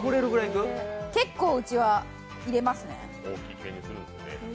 結構うちは入れますね。